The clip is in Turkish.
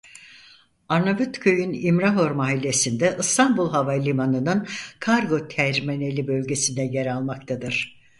Arnavutköy'ün İmrahor Mahallesi'nde İstanbul Havalimanı'nın Kargo Terminali bölgesinde yer almaktadır.